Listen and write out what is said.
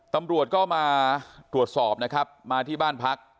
ตำรวจก็มาตรวจสอบนะครับมาที่บ้านพัก